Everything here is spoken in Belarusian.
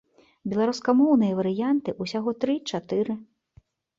Беларускамоўныя варыянты усяго тры-чатыры.